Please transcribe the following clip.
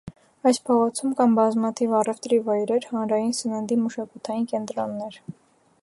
Այս փողոցում կան բազմաթիվ առևտրի վայրեր, հանրային սննդի, մշակութային կենտրոններ։